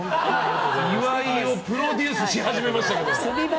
岩井をプロデュースし始めました。